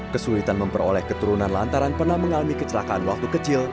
kesulitan memperoleh keturunan lantaran pernah mengalami kecelakaan waktu kecil